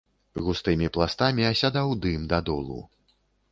Густымі пластамі асядаў дым да долу.